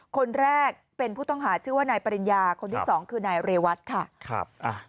คนแรกเป็นผู้ต้องหาชื่อว่านายปริญญาคนที่สองคือนายเรวัตค่ะครับ